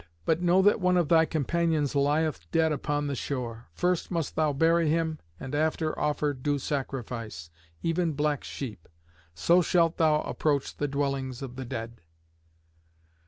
But know that one of thy companions lieth dead upon the shore. First must thou bury him, and after offer due sacrifice, even black sheep. So shalt thou approach the dwellings of the dead."